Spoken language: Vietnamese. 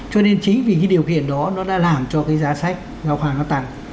cho nên chính vì cái điều kiện đó nó đã làm cho cái giá sách giao khoản nó tăng